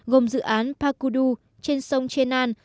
gồm dự án pakudu trên sông chenan